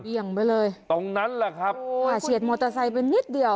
ไปเลยตรงนั้นแหละครับโอ้ค่ะเฉียดมอเตอร์ไซค์ไปนิดเดียว